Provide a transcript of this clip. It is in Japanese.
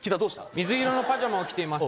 水色のパジャマを着ています